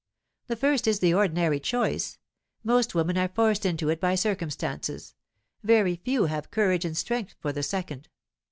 The first is the ordinary choice; most women are forced into it by circumstances; very few have courage and strength for the second.